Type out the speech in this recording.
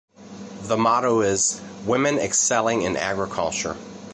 The motto is "Women Excelling in Agriculture".